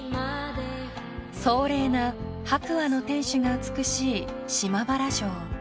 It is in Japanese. ［壮麗な白亜の天守が美しい］